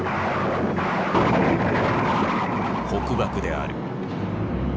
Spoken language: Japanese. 「北爆」である。